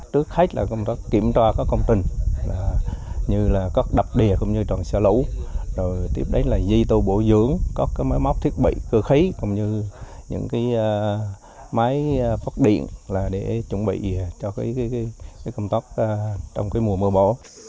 trước hết là công tác kiểm tra các công trình như là các đập đề cũng như tròn xe lũ rồi tiếp đến là di tồn bổ dưỡng có cái máy móc thiết bị cơ khí cũng như những cái máy phát điện để chuẩn bị cho cái công tác trong cái mùa mưa bão